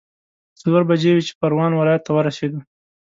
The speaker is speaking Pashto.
څلور بجې وې چې پروان ولايت ته ورسېدو.